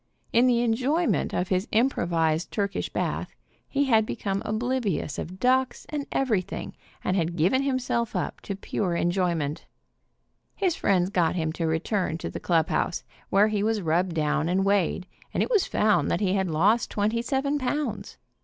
In the enjoyment of his improvised Turkish bath he had become oblivious of ducks and everything, and given himself up to pure enjoyment. His friends got him to return to the clubhouse, where he was rubbed down and weighed, and it was found that he had lost twenty seven pounds.